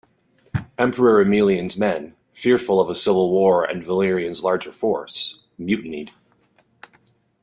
Emperor Aemilian's men, fearful of a civil war and Valerian's larger force, mutinied.